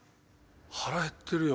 腹減ってるよ。